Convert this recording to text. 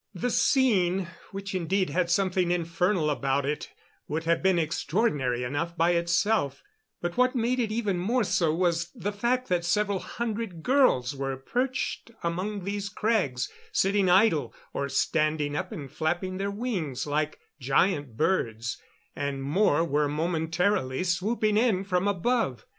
The scene, which indeed had something infernal about it, would have been extraordinary enough by itself; but what made it even more so was the fact that several hundred girls were perched among these crags, sitting idle, or standing up and flapping their wings like giant birds, and more were momentarily swooping in from above.